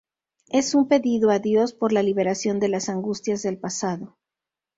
Es un pedido a Dios por la liberación de las angustias del pasado.